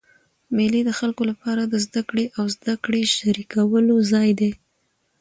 مېلې د خلکو له پاره د زدهکړي او زدهکړي شریکولو ځای دئ.